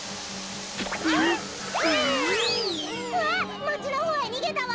あっまちのほうへにげたわ！